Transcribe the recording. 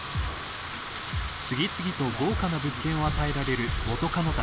［次々と豪華な物件を与えられる元カノたち］